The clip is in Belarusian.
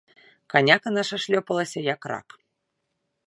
Каняка наша шлёпалася, як рак.